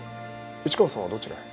市川さんはどちらへ？